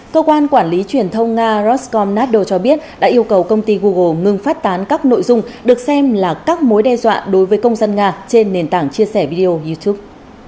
cơ quan quản lý truyền thông nga rostcom natdo cho biết đã yêu cầu công ty google ngừng phát tán các nội dung được xem là các mối đe dọa đối với công dân nga trên nền tảng chia sẻ video youtube